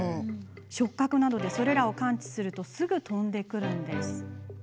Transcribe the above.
触角などでそれらを感知するとすぐ飛んでくるのです。